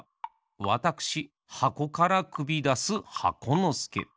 わたくしはこからくびだす箱のすけ。